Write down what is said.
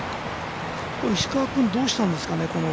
石川君、どうしたんですかね